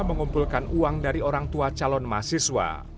mengumpulkan uang dari orang tua calon mahasiswa